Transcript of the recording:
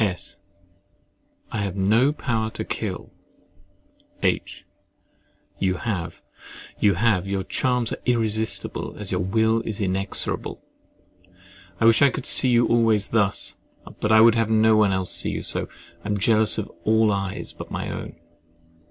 S. I have no power to kill. H. You have, you have—Your charms are irresistible as your will is inexorable. I wish I could see you always thus. But I would have no one else see you so. I am jealous of all eyes but my own.